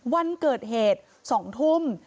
วันเกิดเหตุ๒ทุ่ม